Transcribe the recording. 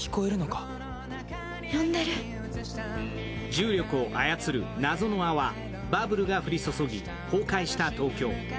重力を操る謎の泡、バブルが降り注ぎ崩壊した東京。